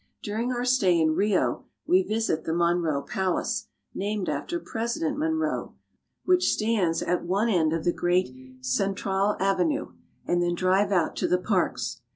During our stay in Rio we visit the Monroe Palace, named after President Monroe, which stands at one end of 2/8 BRAZIL. the great Central Avenue, and then drive out to the parks.